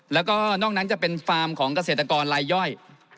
แล้วก็นอกนั้นจะเป็นฟาร์มของเกษตรกรลายย่อย